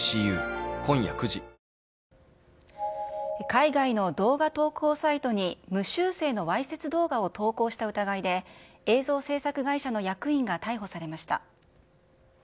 海外の動画投稿サイトに無修正のわいせつ動画を投稿した疑いで、映像制作会社の役員が逮捕されました。